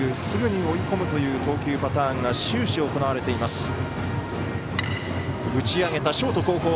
すぐに追い込むという投球パターンが終始、行われています。